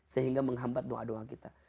sehingga menghambat doa doa kita